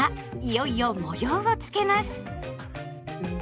いよいよ模様をつけます。